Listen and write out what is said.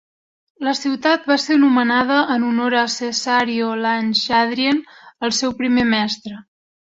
La ciutat va ser nomenada en honor a Cesario Lange Adrien, el seu primer mestre.